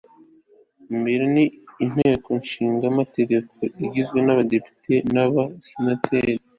mbere ni inteko ishinga amategeko igizwe n'abadepite n'abasenateri